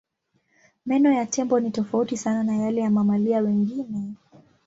Meno ya tembo ni tofauti sana na yale ya mamalia wengine.